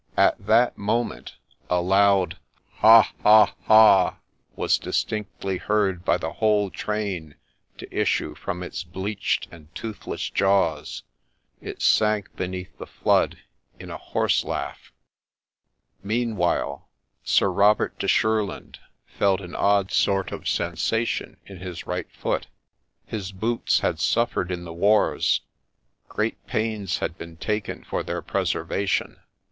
At that moment a loud ' Ha ! ha ! ha !' was distinctly heard by the whole train to issue from its bleached and toothless jaws : it sank beneath the flood in a horse laugh. Meanwhile Sir Robert de Shurland felt an odd sort of sensa tion in his right foot. His boots had suffered in the wars. Great pains had been taken for their preservation.